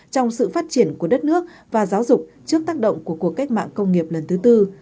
trong sự phát triển của đất nước và giáo dục trước tác động của cuộc cách mạng công nghiệp lần thứ tư